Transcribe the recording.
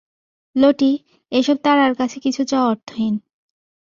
লটি, এসব তারার কাছে কিছু চাওয়া অর্থহীন।